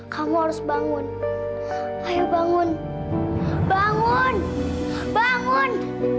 kamu harus bangun ayo bangun bangun bangun